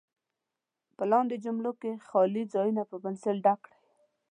په لاندې جملو کې خالي ځایونه په پنسل ډک کړئ.